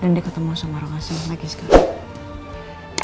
dan dia ketemu sama rokasem lagi sekali